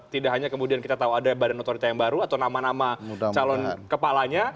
tidak hanya kemudian kita tahu ada badan otorita yang baru atau nama nama calon kepalanya